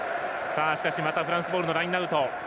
しかしまたフランスボールのラインアウト。